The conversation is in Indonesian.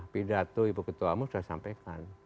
pindadu ibu ketua amu sudah sampaikan